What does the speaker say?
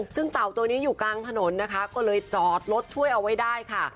ซึ่งเต่าตัวนี้อยู่กลางถนนนะคะก็เลยจอดรถช่วยเอาไว้ได้ค่ะ